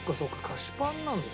菓子パンなんだ。